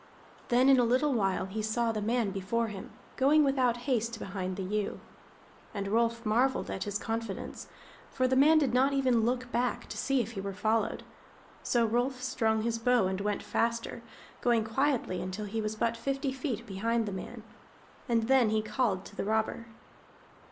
Then in a little while he saw the man before him, going without haste behind the ewe. And Rolf marvelled at his confidence, for the man did not even look back to see if he were followed. So Rolf strung his bow and went faster, going quietly until he was but fifty feet behind the man. And then he called to the robber.